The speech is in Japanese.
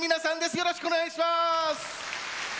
よろしくお願いします！